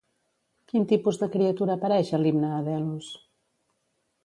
Quin tipus de criatura apareix a l'Himne a Delos?